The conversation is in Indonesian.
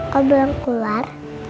kalo bilang keluar